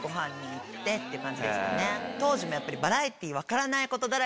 当時もやっぱり。